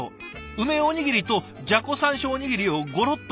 梅おにぎりとじゃこ山椒おにぎりをゴロッと。